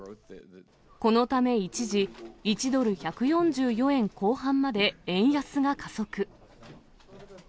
このため一時、１ドル１４４円後半まで円安が加速。